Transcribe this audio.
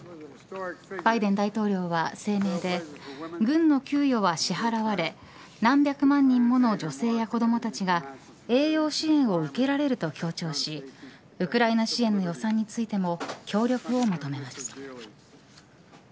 バイデン大統領は声明で軍の給与は支払われ何百万人もの女性や子どもたちが栄養支援を受けられると強調しウクライナ支援の予算についても協力を求めました。